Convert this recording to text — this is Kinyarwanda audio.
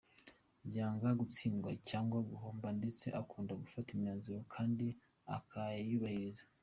Yanga gutsindwa cyangwa guhomba ndetse akunda gufata imyanzuro kandi akayubahiriza.